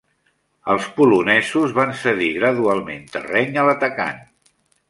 Els polonesos van cedir gradualment terreny a l'atacant.